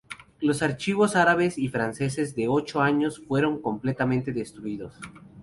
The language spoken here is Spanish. Los archivos árabes y franceses de ocho años fueron completamente destruidos.